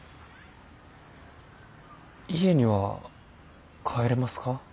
家には帰れますか？